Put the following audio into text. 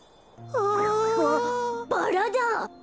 わあっバラだ！